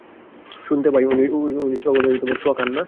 শুনতে পাই উনি সকলের ছোঁওয়া খান না।